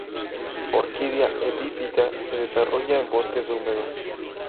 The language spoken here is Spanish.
Orquídea epífita se desarrolla en bosques húmedos.